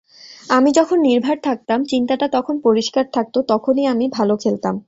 আমি যখন নির্ভার থাকতাম, চিন্তাটা যখন পরিষ্কার থাকত, তখনই আমি ভালো খেলতাম।